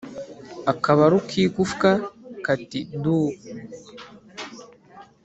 Akabaru k’igufwa kati “duuu!”